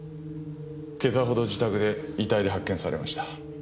今朝ほど自宅で遺体で発見されました。